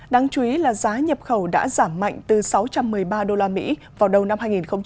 đáng chú ý là giá nhập khẩu đã giảm mạnh từ sáu trăm một mươi ba usd vào đầu năm hai nghìn hai mươi